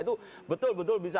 itu betul betul bisa